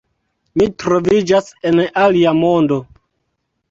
Mi troviĝas en alia mondo.